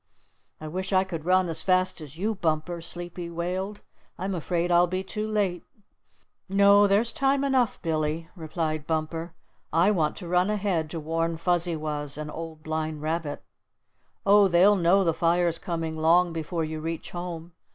"I wish I could run as fast as you, Bumper," Sleepy wailed. "I'm afraid I'll be too late." "No, there's time enough, Billy," replied Bumper. "I want to run ahead to warn Fuzzy Wuzz and Old Blind Rabbit." "Oh, they'll know the fire's coming long before you reach home.